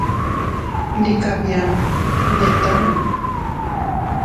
Ndi kabia ndetuu.